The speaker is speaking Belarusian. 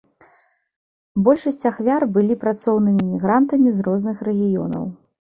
Большасць ахвяр былі працоўнымі мігрантамі з розных рэгіёнаў.